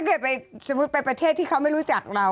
ถ้าเกิดไปสมมุติไปประเทศที่เขาไม่รู้จักเรา